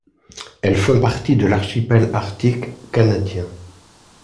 Elles font partie de l'archipel arctique canadien.